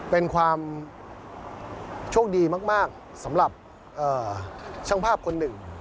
เป็นความโชคดีมากสำหรับช่างภาพคนหนึ่ง